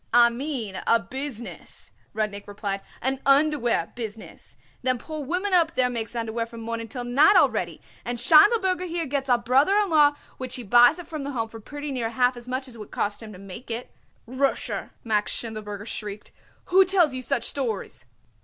"I mean a business," Rudnik replied, "an underwear business. Them poor women up there makes underwear from morning till night already, and Schindelberger here got a brother in law which he buys it from the Home for pretty near half as much as it would cost him to make it." "Rosher!" Max Schindelberger shrieked. "Who tells you such stories?"